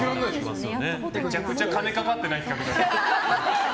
めちゃくちゃ金かかってない企画だな。